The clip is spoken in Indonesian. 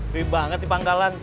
rih banget di panggalan